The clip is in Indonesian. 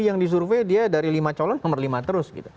yang disurvey dia dari lima color nomor lima terus